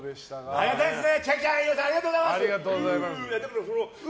ありがたいですね。